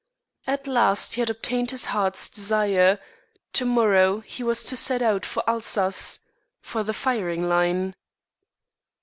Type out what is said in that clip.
At last he had obtained his heart's desire; to morrow he was to set out for Alsace for the firing line.